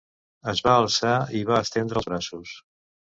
Es va alçar i va estendre els braços.